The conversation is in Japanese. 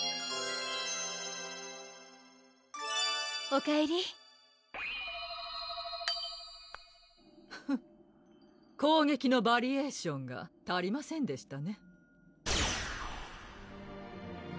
おかえりフン攻撃のバリエーションが足りませんでしたね